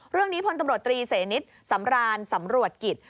เรื่องนี้พลตำรวจตรีเสนิศสำรานสำรวจกิจ